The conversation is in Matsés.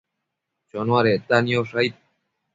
Chonuecta niosh aid ?